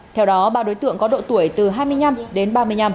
theo đó ba đối tượng có độ tuổi từ hai mươi năm đến ba mươi năm